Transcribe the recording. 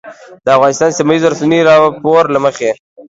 د افغانستان د سیمهییزو رسنیو د راپور له مخې